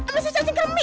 masih cancing kremi